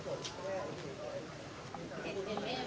พวกเขาถ่ายมันตรงกลาง